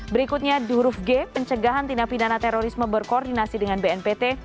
berikutnya duruf g pencegahan tindak pidana terorisme berkoordinasi dengan bnpt